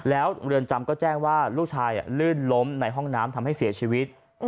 แล้วเรือนจำก็แจ้งว่าลูกชายลื่นล้มในห้องน้ำทำให้เสียชีวิต